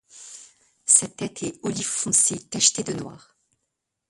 Sa tête est olive foncé tacheté de noir.